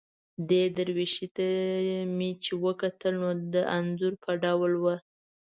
دې درویشي ته مې چې وکتل، نو د انځور په ډول وه.